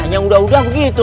yang udah udah begitu